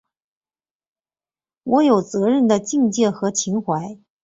我有责任的境界和情怀